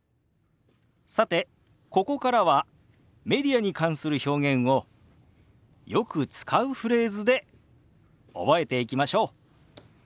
さてここからはメディアに関する表現をよく使うフレーズで覚えていきましょう。